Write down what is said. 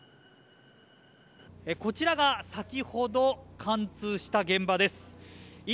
こちらが先ほど貫通した現場です。